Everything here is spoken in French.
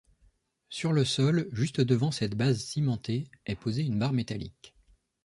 Sur le sol, juste devant cette base cimentée est posée une barre métallique.